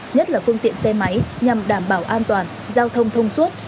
nhất là phương tiện xe máy nhằm đảm bảo an toàn giao thông thông suốt